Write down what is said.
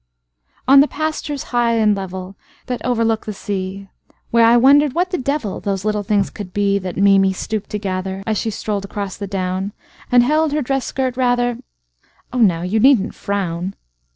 On the pastures high and level, That overlook the sea, Where I wondered what the devilThose little things could beThat Mimi stooped to gather, As she strolled across the down, And held her dress skirt rather—Oh, now, you need n't frown.